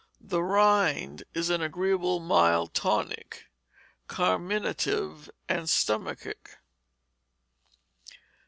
The rind is an agreeable mild tonic, carminative, and stomachic.